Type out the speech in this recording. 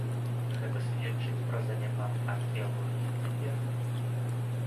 Гэта сведчыць пра заняпад археалогіі цяпер?